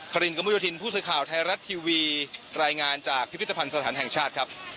รินกระมุดโยธินผู้สื่อข่าวไทยรัฐทีวีรายงานจากพิพิธภัณฑ์สถานแห่งชาติครับ